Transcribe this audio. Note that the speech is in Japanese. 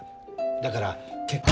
だから結婚。